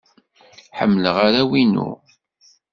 Ḥemmleɣ arraw-inu.